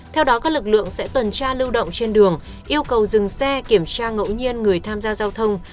theo đó các lực lượng sẽ tuần tra lưu động trên đường yêu cầu dừng xe kiểm tra ngẫu nhiên người tham gia giao thông